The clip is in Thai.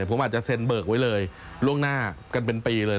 ผมอาจจะเซ็นเบิกไว้เลยล่วงหน้ากันเป็นปีเลย